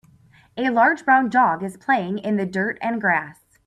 A large brown dog is playing in the dirt and grass.